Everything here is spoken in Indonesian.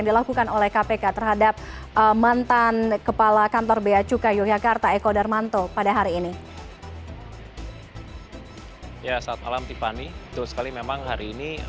itu sekali memang hari ini